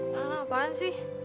nah apaan sih